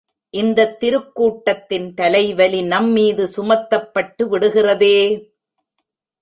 இந்தத் திருக்கூட்டத்தின் தலைவலி நம்மீது சுமத்தப்பட்டுவிடுகிறதே!...